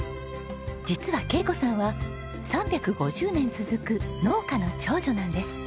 実は恵子さんは３５０年続く農家の長女なんです。